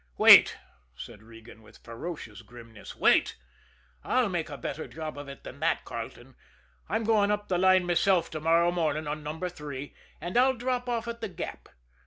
"Wait!" said Regan, with ferocious grimness. "Wait! I'll make a better job of it than that, Carleton. I'm going up the line myself to morrow morning on Number Three and I'll drop off at The Gap.